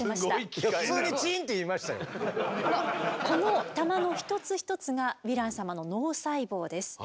この玉の一つ一つがヴィラン様の脳細胞です。